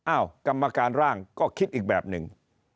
กรรมการร่างก็คิดอีกแบบหนึ่ง